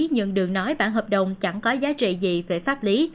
nhưng đường nói bản hợp đồng chẳng có giá trị gì về pháp lý